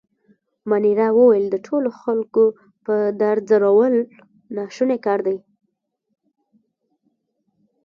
مانیرا وویل: د ټولو خلکو په دار ځړول ناشونی کار دی.